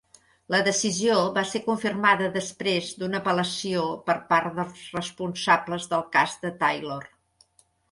La decisió va ser confirmada després d'una apel·lació per part dels responsables del cas de Taylor.